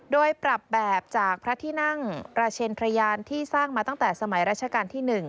โดยปรับแบบจากพระที่นั่งราชเชนทรยานที่สร้างมาตั้งแต่สมัยราชการที่๑